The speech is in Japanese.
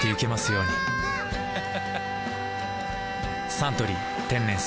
「サントリー天然水」